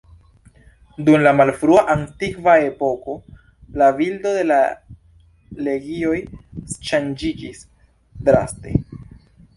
Dum la malfrua antikva epoko la bildo de la legioj ŝanĝiĝis draste.